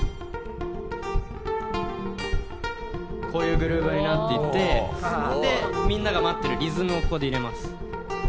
こういうグルーヴになっていってみんなが待ってるリズムをここで入れます。